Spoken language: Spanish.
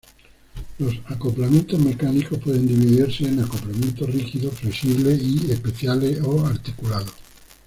Los acoplamientos mecánicos pueden dividirse en acoplamientos rígidos, flexibles y especiales o articulados.